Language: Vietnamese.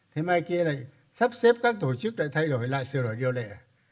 thế mai kia lại sắp xếp các tổ chức lại thay đổi lại sửa đổi điều lệ